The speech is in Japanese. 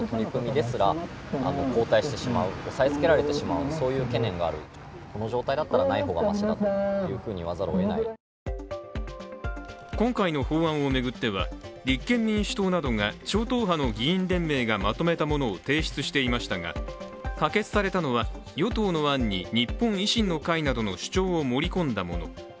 法案に抗議する、その訳とは今回の法案を巡っては、立憲民主党などが超党派の議員連盟がまとめたものを提出していましたが可決されたのは、与党の案に日本維新の会などの主張を盛り込んだもの。